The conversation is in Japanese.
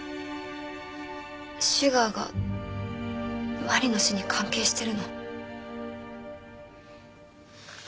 シュガーが麻里の死に関係してるの？